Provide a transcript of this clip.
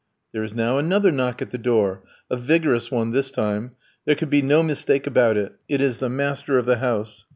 There is now another knock at the door a vigorous one this time. There could be no mistake about it. It is the master of the house.